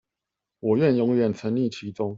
我願永遠沈溺其中